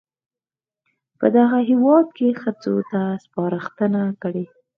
په دغه هېواد کې ښځو ته سپارښتنه کړې